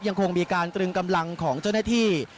ยังคงมีการตรึงกำลังของเจ้าหน้าที่